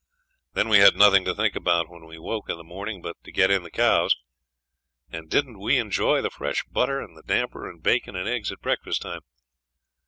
Then we had nothing to think about when we woke in the morning but to get in the cows; and didn't we enjoy the fresh butter and the damper and bacon and eggs at breakfast time!